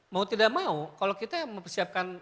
mau tidak mau kalau kita mempersiapkan